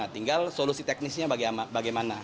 tinggal solusi teknisnya bagaimana